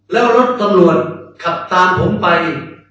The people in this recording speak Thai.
แล้วรถตำรวจขับตามผมไป